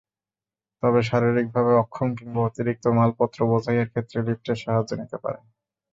তবে শারীরিকভাবে অক্ষম কিংবা অতিরিক্ত মালপত্র বোঝাইয়ের ক্ষেত্রে লিফটের সাহায্য নিতে পারেন।